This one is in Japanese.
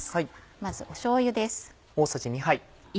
まずしょうゆです。